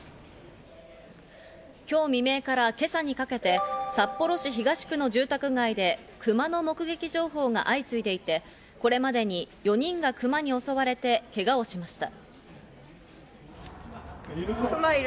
今日未明から今朝にかけて札幌市東区の住宅街でクマの目撃情報が相次いでいて、これまでに４人がクマに襲われて、けがをしました。